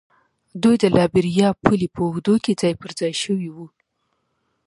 دوی د لایبیریا پولې په اوږدو کې ځای پر ځای شوي وو.